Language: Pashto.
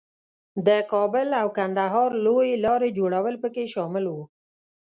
د کابل او کندهار لویې لارې جوړول پکې شامل وو.